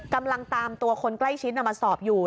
กำลังตามตัวคนใกล้ชิดมาสอบอยู่